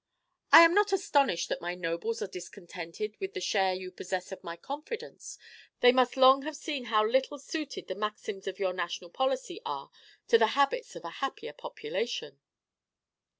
I am not astonished that my nobles are discontented with the share you possess of my confidence; they must long have seen how little suited the maxims of your national policy are to the habits of a happier population!"